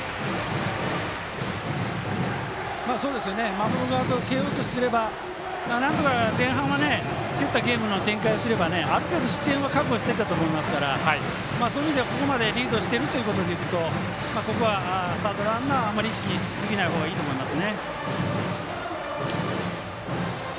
守る側の慶応とすればなんとか前半は競った展開のゲームをすればある程度、失点は覚悟していたと思いますからそういう意味ではここまでリードしているということでいうとサードランナーはあまり意識し過ぎないほうがいいと思います。